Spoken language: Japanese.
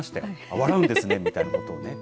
笑うんですねみたいなことを。